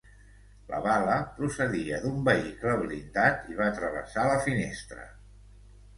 La bala procedia d'un vehicle blindat i va travessar la finestra.